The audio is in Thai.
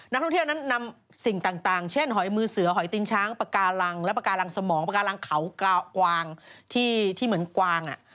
นักท่องเที่ยวนั้นนำสิ่งต่างเช่นหอยมือเสือหอยตินช้างปากาลังและปากการังสมองปากาลังเขากวางที่เหมือนกวาง